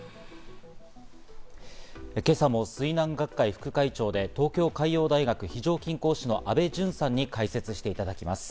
今朝も水難学会副会長で東京海洋大学非常勤講師の安倍淳さんに解説していただきます。